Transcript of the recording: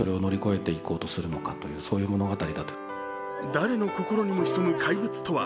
誰の心にも潜む怪物とは。